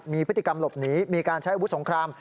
มีพฤติกรรมหลบหนีมีการใช้อาวุธสงคราม